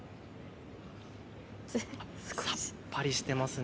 さっぱりしていますね。